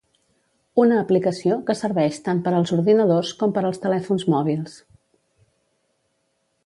Una aplicació que serveix tant per als ordinadors com per als telèfons mòbils.